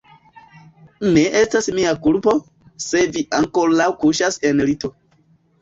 Ne estas mia kulpo, se vi ankoraŭ kuŝas en lito.